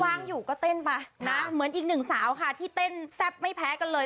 ว่างอยู่ก็เต้นไปนะเหมือนอีกหนึ่งสาวค่ะที่เต้นแซ่บไม่แพ้กันเลย